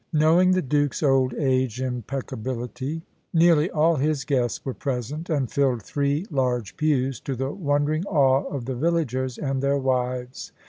Knowing the Duke's old age impeccability, nearly all his guests were present and filled three large pews, to the wondering awe of the villagers and their wives.